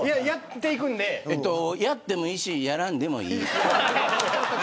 やってもいいしやらんでもいい。